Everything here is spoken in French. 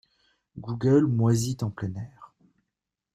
Google moisit en plein air.